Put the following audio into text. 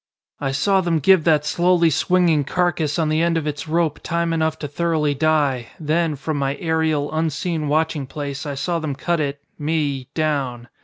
"I saw them give that slowly swinging carcass on the end of its rope time enough to thoroughly die, then, from my aerial, unseen watching place, I saw them cut it me down.